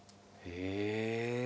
へえ。